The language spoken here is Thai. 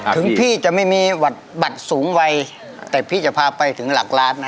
ถึงพี่จะไม่มีบัตรสูงวัยแต่พี่จะพาไปถึงหลักล้านนะ